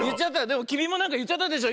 でもきみもなんかいっちゃったでしょ